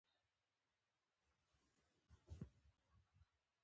دډنډ پر دړه انځورګري کړي